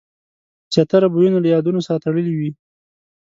زیاتره بویونه له یادونو سره تړلي وي.